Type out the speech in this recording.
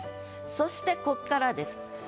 そしてこっからです。